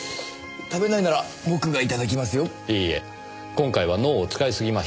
今回は脳を使いすぎました。